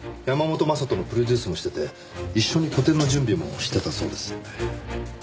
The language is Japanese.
山本将人のプロデュースもしてて一緒に個展の準備もしてたそうです。